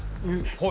はい。